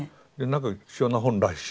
なんか貴重な本らしい。